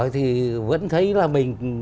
thì vẫn thấy là mình